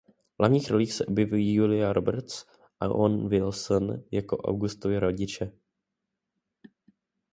V hlavních rolí se objeví Julia Roberts a Owen Wilson jako Augustovi rodiče.